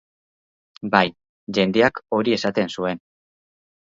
Bai, jendeak hori esaten zuen.